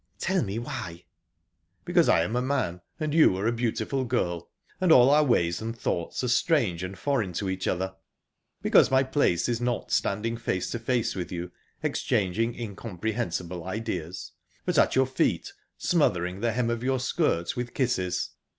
"Tell me why?" "Because I am a man, and you are a beautiful girl, and all our ways and thoughts are strange and foreign to each other. Because my place is not standing face to face with you, exchanging incomprehensible ideas, but at your feet, smothering the hem of your skirt with kisses..."